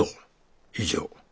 以上。